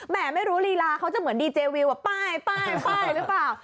ไม่รู้ลีลาเขาจะเหมือนดีเจวิวป้ายป้ายหรือเปล่า